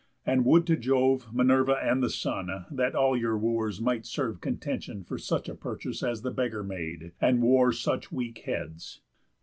And would to Jove, Minerva, and the Sun, That all your Wooers might serve Contention For such a purchase as the beggar made, And wore such weak heads!